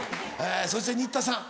そして新田さん。